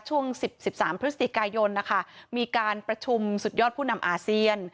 ช่วง๑๓พฤศจิกายนนะคะมีการประชุมสุดยอดผู้นำอาเซียน